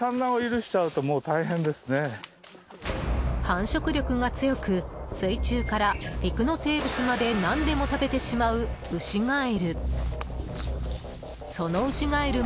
繁殖力が強く水中から陸の生物まで何でも食べてしまう、ウシガエル。